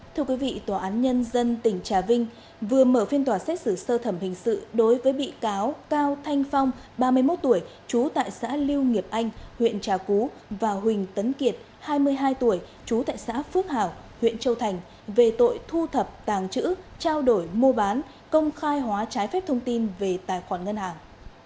thưa quý vị tòa án nhân dân tỉnh trà vinh vừa mở phiên tòa xét xử sơ thẩm hình sự đối với bị cáo cao thanh phong ba mươi một tuổi chú tại xã liêu nghiệp anh huyện trà cú và huỳnh tấn kiệt hai mươi hai tuổi chú tại xã phước hảo huyện châu thành về tội thu thập tàng chữ trao đổi mua bán công khai hóa trái phép thông tin về tài khoản ngân hàng